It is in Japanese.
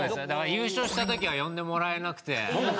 優勝した時は呼んでもらえなくて。